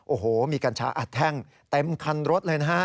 โอ้โหมีกัญชาอัดแท่งเต็มคันรถเลยนะฮะ